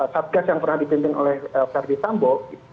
satgas yang pernah dipimpin oleh verdi sambo